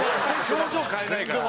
表情変えないから。